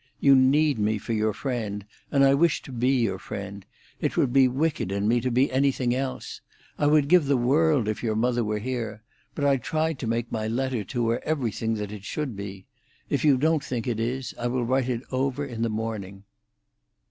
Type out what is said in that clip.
You need me for your friend, and I wish to be your friend; it would be wicked in me to be anything else; I would give the world if your mother were here; but I tried to make my letter to her everything that it should be. If you don't think it is, I will write it over in the morning."